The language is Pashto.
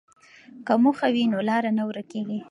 که موخه وي نو لاره نه ورکېږي.